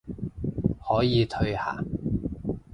可以退下